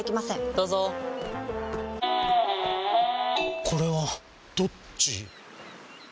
どうぞこれはどっち？